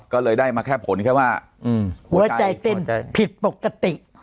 ก็เลยได้มาแค่ผลแค่ว่าอืมเหลือใจหัวใจฝั่งเต้นผิดปกติ